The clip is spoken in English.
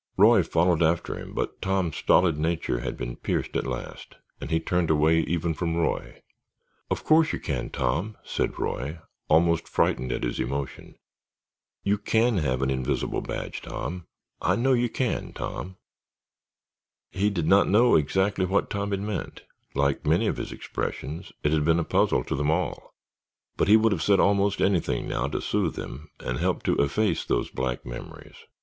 Roy followed after him, but Tom's stolid nature had been pierced at last and he turned away even from Roy. "Of course, you can, Tom," said Roy, almost frightened at his emotion. "You can have an invisible badge, Tom—I know you can, Tom." He did not know exactly what Tom had meant; like many of his expressions, it had been a puzzle to them all, but he would have said almost anything now to soothe him and help to efface those black memories.